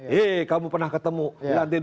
hei kamu pernah ketemu di lantai dua belas